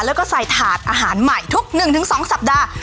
แล้วก็ใส่ถาดอาหารใหม่ทุก๑๒สัปดาห์